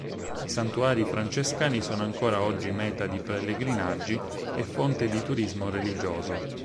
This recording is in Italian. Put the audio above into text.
I santuari francescani sono ancora oggi meta di pellegrinaggi e fonte di turismo religioso.